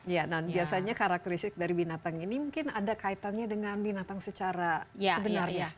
ya dan biasanya karakteristik dari binatang ini mungkin ada kaitannya dengan binatang secara sebenarnya